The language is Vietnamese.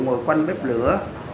ngồi quanh bếp lửa